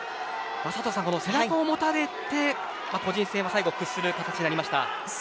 背中を持たれて個人戦は最後屈する形がありました。